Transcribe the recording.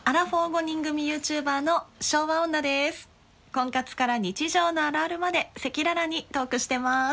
婚活から日常のあるあるまで赤裸々にトークしてます。